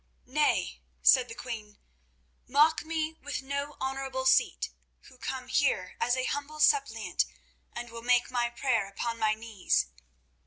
"Nay," said the queen, "mock me with no honourable seat who come here as a humble suppliant, and will make my prayer upon my knees."